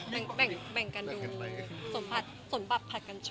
แบ่งกันดูสนบับผลัดกันชม